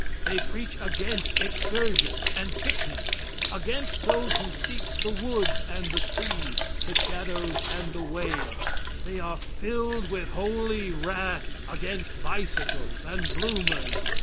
They preach against excursions and picnics against those who seek the woods and the sea, the shadows and the waves. They are filled with holy wrath against bicycles and bloomers.